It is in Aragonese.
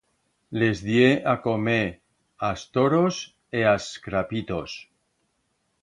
Les die a comer a's toros e a's crapitos.